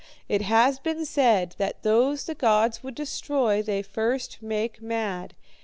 It has been said, that those the gods would destroy they first make mad.